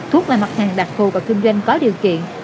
thuốc là mặt hàng đặc thù và kinh doanh có điều kiện